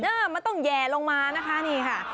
เออมันต้องแย่ลงมานะคะนี่ค่ะ